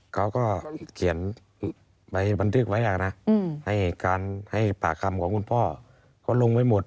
เขาก็เขียนใบบันทึกไว้นะให้การให้ปากคำของคุณพ่อก็ลงไว้หมด